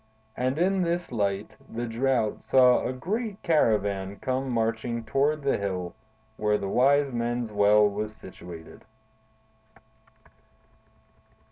And in this light the Drought saw a great caravan come marching toward the hill where the Wise Men's Well was situated.